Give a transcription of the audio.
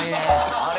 あれ？